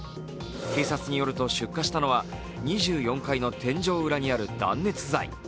警察によると、出火したのは２４階の天井裏にある断熱材。